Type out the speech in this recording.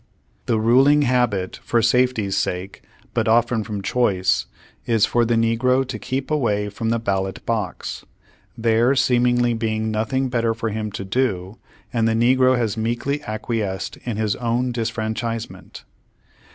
The ruling habit, for safety's sake, but often from choice, is for the negro to keep away from the ballot box, there seemingly being noth ing better for him to do, and the negro has meekly acquiesced in his own disfranchisement.